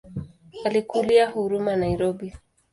Alikulia Huruma Nairobi.